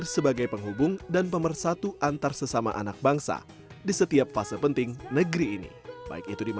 sebuah lagu dari almarhum d b kempuan pak merboji